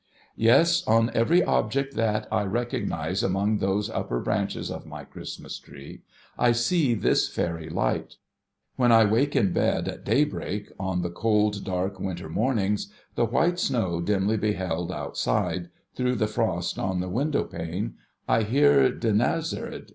Yes, on every object that I recognise among those upper branches of my Christmas Tree, I see this fairy light ! AVhen I wake in bed, at daybreak, on the cold, dark, winter mornings, the white snow dimly beheld, outside, through the frost on the window pane, I hear Dinarzade.